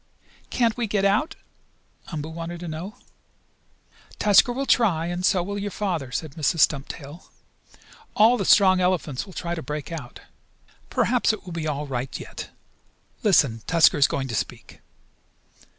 "Can't we get out?" Umboo wanted to know. "Tusker will try, and so will your father," said Mrs. Stumptail. "All the strong elephants will try to break out. Perhaps it will be all right yet. Listen, Tusker is going to speak."